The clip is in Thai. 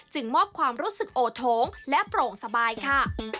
มอบความรู้สึกโอโถงและโปร่งสบายค่ะ